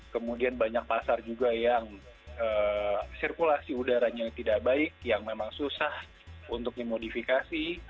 kemudian banyak pasar juga yang sirkulasi udaranya tidak baik yang memang susah untuk dimodifikasi